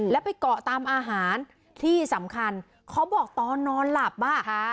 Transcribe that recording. แล้วไปเกาะตามอาหารที่สำคัญเขาบอกตอนนอนหลับอ่ะค่ะ